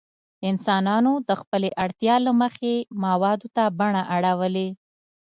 انسانانو د خپلې اړتیا له مخې موادو ته بڼه اړولې.